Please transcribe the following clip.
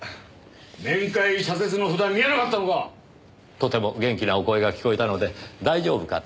とても元気なお声が聞こえたので大丈夫かと。